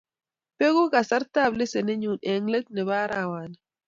bekuu kasartab lesenitnyu eng let nebo arawani